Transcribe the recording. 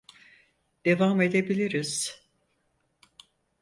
Devam edebiliriz.